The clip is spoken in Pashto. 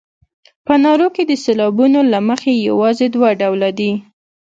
په نارو کې د سېلابونو له مخې یوازې دوه ډوله دي.